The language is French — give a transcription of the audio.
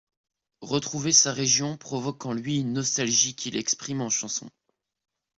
Retrouver sa région provoque en lui une nostalgie qu'il exprime en chansons.